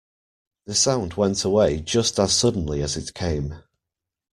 The sound went away just as suddenly as it came.